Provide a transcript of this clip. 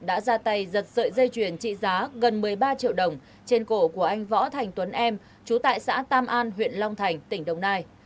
đã ra tay giật sợi dây chuyền trị giá gần một mươi ba triệu đồng trên cổ của anh võ thành tuấn em chú tại xã tam an huyện long thành tỉnh đồng nai